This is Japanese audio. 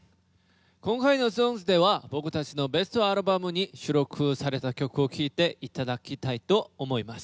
今回の「ＳＯＮＧＳ」では僕たちのベストアルバムに収録された曲を聴いて頂きたいと思います。